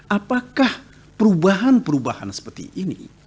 apakah perubahan perubahan seperti ini